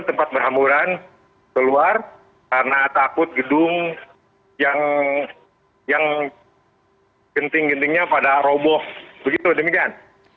tempat berhamburan keluar karena takut gedung yang genting gentingnya pada roboh begitu demikian